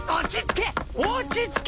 落ち着け！